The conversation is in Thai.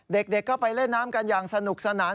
เด็กก็ไปเล่นน้ำกันอย่างสนุกสนาน